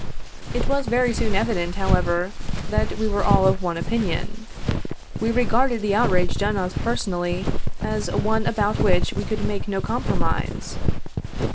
It was very soon evident however, that we were all of one opinion. We regarded the outrage done us personally, as one about which we could make no cumpromise.